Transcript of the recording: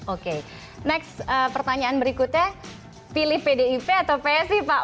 oke next pertanyaan berikutnya pilih pdip atau psi pak